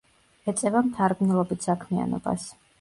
ეწევა მთარგმნელობით საქმიანობას.